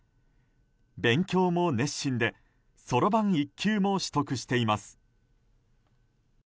勉強も熱心でそろばん１級も取得しています。